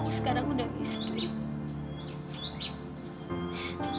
aku sekarang udah miskin